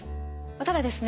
ただですね